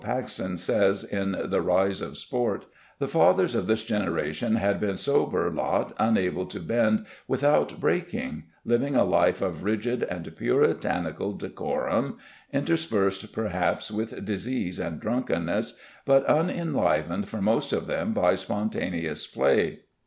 Paxson says in The Rise of Sport, "The fathers of this generation had been sober lot unable to bend without breaking, living a life of rigid and puritanical decorum interspersed perhaps with disease and drunkedness, but unenlivened for most of them by spontaneous play."